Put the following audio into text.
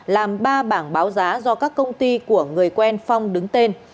làm ba bảng báo giá do các công ty của người quen phong đứng tên